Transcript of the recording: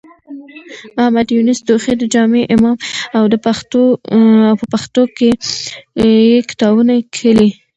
محمد يونس توخى د جامع امام و او په پښتو کې يې کتابونه کښلي.